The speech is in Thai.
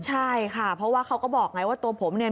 ใช่ค่ะเพราะว่าเขาก็บอกไงว่าตัวผมเนี่ย